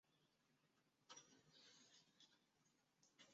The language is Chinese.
唯一例外是站房设于轨道下方之北湖车站。